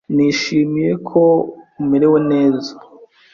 Nishimiye ko umerewe neza.